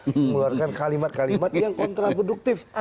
mengeluarkan kalimat kalimat yang kontraproduktif